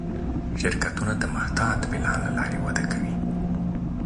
شرکتونه د محتاط پلان له لارې وده کوي.